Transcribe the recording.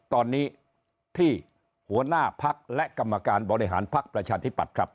ตอนนี้ที่หัวหน้าพักและกรรมการบริหารภักดิ์ประชาธิปัตย์ครับ